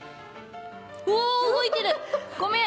お動いてるごめん！